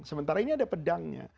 sementara ini ada pedangnya